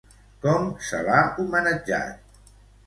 Com se l'ha homenatjat?